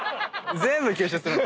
全部吸収するの。